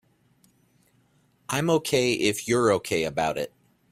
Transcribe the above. I'm OK if you're OK about it.